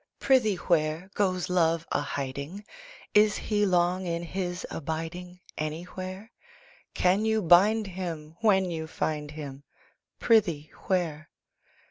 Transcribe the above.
Prithee where, Goes Love a hiding? Is he long in his abiding Anywhere? Can you bind him when you find him; Prithee, where?